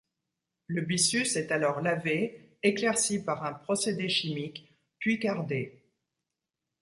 Le byssus est alors lavé, éclairci par un procédé chimique, puis cardé.